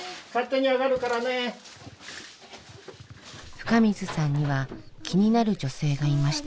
深水さんには気になる女性がいました。